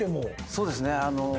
そうですね。